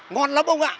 ngon lắm ông ạ